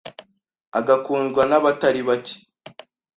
agakundwa n’abatari bacye